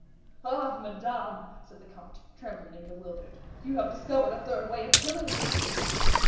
"Ah! Madame," said the comte, trembling and bewildered; "you have discovered a third way of killing me."